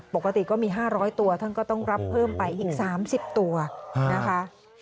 ปกติก็มี๕๐๐ตัวท่านก็ต้องรับเพิ่มไปอีก๓๐ตัวนะคะ